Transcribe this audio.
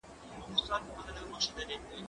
زه اوږده وخت انځورونه رسم کوم!